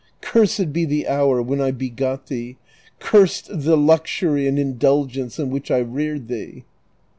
Cursed be the hour when I begot thee! Cursed the lux ury and indulgence in which I reared thee